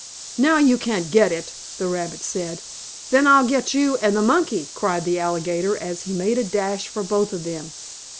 "Now you can't get it!" the rabbit said. "Then I'll get you and the monkey!" cried the alligator, as he made a dash for both of them.